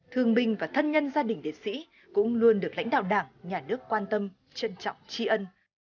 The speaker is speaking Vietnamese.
thương binh và thân nhân gia đình liệt sĩ cũng luôn được lãnh đạo đảng nhà nước quan tâm trân trọng tri ân